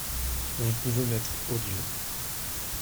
Vous pouvez m’être odieux !…